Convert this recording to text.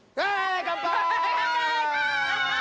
乾杯！